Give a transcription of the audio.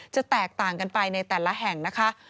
จะแตกต่างกันไปในแต่ละแห่งนะคะ